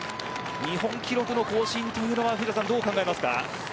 日本記録の更新はどう考えますか。